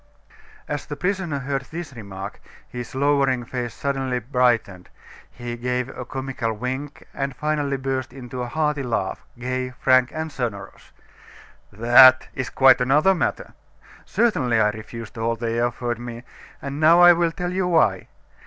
As the prisoner heard this remark, his lowering face suddenly brightened, he gave a comical wink, and finally burst into a hearty laugh, gay, frank, and sonorous. "That," said he, "is quite another matter. Certainly, I refused all they offered me, and now I will tell you why.